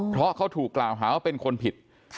เพราะเขาถูกกล่าวหาว่าเป็นคนผิด